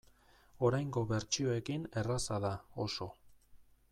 Oraingo bertsioekin erraza da, oso.